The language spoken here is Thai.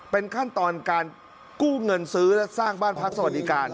เป็นขั้นตอนการกู้เงินซื้อและสร้างบ้านพักสวัสดิการ